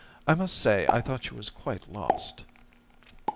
I must say I thought she was quite lost.'